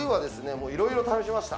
もういろいろ試しました